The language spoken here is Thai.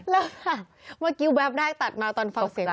แล้วเมื่อกี้แวบแรกตัดมาตอนฟังเสียง